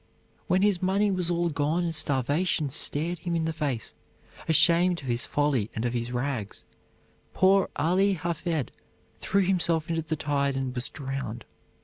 When his money was all gone and starvation stared him in the face, ashamed of his folly and of his rags, poor Ali Hafed threw himself into the tide and was drowned.